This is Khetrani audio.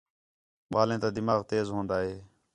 ٻالیں تا دماغ تیز ہون٘دا ہے